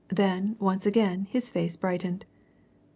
Then, once again, his face brightened.